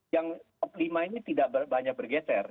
yang top lima ini tidak banyak bergeser